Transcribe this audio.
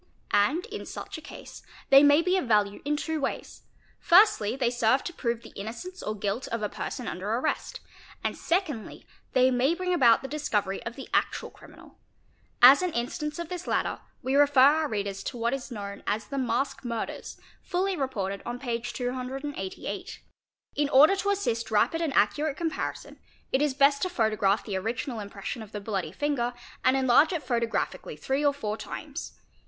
And in such a case they may be of value in two ways; firstly they serve to prove the innocence or guilt of a person under arrest, and secondly they may bring about the discovery of the actual criminal. As _ an instance of this latter we refer our readers to what is known as the Mask Murders, fully reported on p. 288. In order to assist rapid and accurate comparison it is best to photograph the original impression of the bloody finger and enlarge it photographically three or four times.